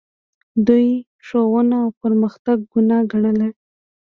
دوی ښوونه او پرمختګ ګناه ګڼله